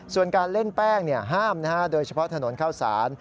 ส่วนการเล่นแป้งห้ามโดยเฉพาะถนนข้าวสาร